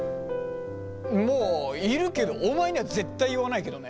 まあいるけどお前には絶対言わないけどね。